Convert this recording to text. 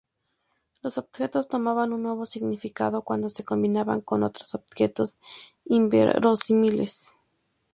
Los objetos tomaban un nuevo significado cuando se combinaban con otros objetos inverosímiles.